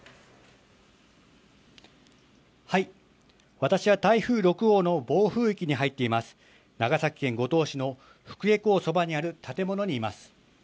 私は台風６号の暴風域に入っています、長崎県五島市の福江港そばにある建物にいます。